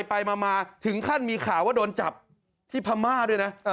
ไปมาถึงขั้นมีข่าวว่าโดนจับที่พม่าด้วยนะ